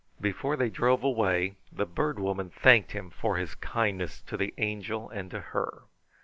Before they drove away, the Bird Woman thanked him for his kindness to the Angel and to her.